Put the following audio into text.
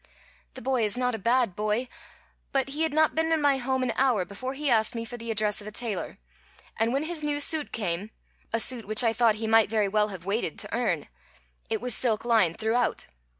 "The boy is not a bad boy. But he had not been in my home an hour before he asked me for the address of a tailor, and when his new suit came, a suit which I thought he might very well have waited to earn, it was silk lined throughout.